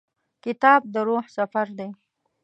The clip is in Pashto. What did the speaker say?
کتاب د روح سفر دی.